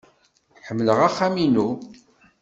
Ḥemmleɣ axxam-inu.